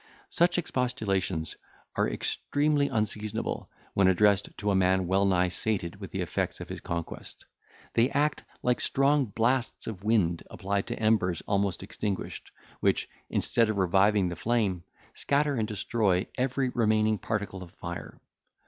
Such expostulations are extremely unseasonable, when addressed to a man well nigh sated with the effects of his conquest. They act like strong blasts of wind applied to embers almost extinguished, which, instead of reviving the flame, scatter and destroy every remaining particle of fire.